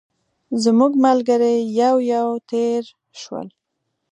زموږ ملګري یو یو تېر شول.